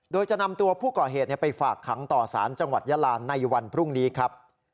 โดยจะนำตัวผู้ก่อเหตุไปฝากขังต่อสารจังหวัดยาลานในวันพรุ่งนี้ครับ